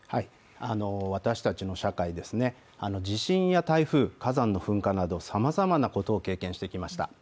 私たちの社会、地震や台風、火山の噴火などさまざまなことを経験してきました。